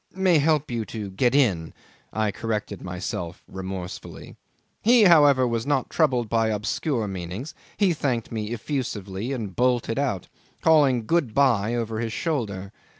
"May help you to get in," I corrected myself remorsefully. He however was not troubled by obscure meanings; he thanked me effusively and bolted out, calling Good bye over his shoulder.